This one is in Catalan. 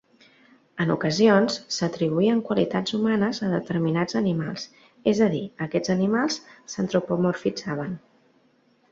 En ocasions, s'atribuïen qualitats humanes a determinats animals; és a dir, aquests animals s'antropomorfitzaven.